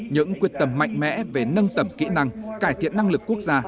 những quyết tâm mạnh mẽ về nâng tầm kỹ năng cải thiện năng lực quốc gia